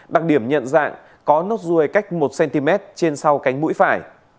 đặc điểm nhận dạng có nốt ruồi cách một cm trên sau cánh mũi phải